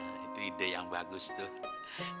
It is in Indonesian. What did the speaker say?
nah itu ide yang bagus tuh